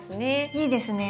いいですね